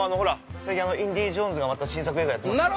最近インディー・ジョーンズがまた新作映画をやってますから。